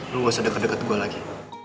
lu gak usah deket deket gue lagi